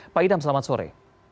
pak idam selamat sore